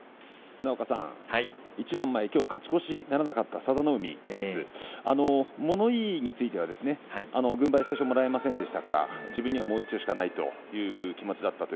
一番前、きょう勝ち越しならなかった佐田の海ですが物言いについては軍配は最初もらえませんでしたから自分には、もう１丁しかないという気持ちでした。